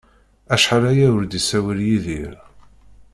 Acḥal aya ur d-isawel Yidir